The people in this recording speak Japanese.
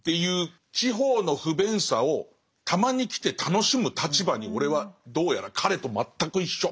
地方の不便さをたまに来て楽しむ立場に俺はどうやら彼と全く一緒。